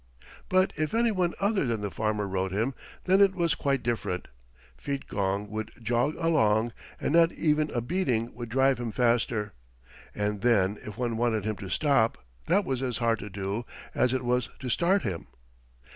But if any one other than the farmer rode him, then it was quite different. Feetgong would jog along, and not even a beating would drive him faster, and then if one wanted him to stop that was as hard to do as it was to start him.